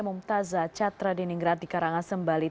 momtaza catra di ninggrat di karangasem bali